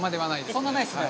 そんなないですね。